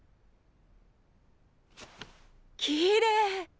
きれい。